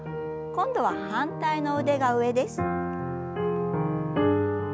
今度は反対の腕が上です。